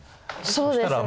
そうですね。